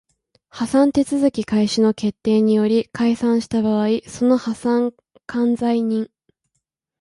破産手続開始の決定により解散した場合その破産管財人